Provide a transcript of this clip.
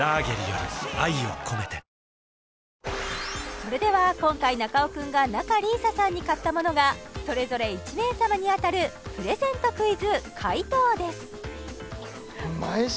それでは今回中尾君が仲里依紗さんに買ったものがそれぞれ１名様に当たるプレゼントクイズ解答です